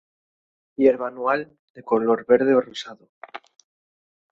Hierba anual, de color verde o rosado.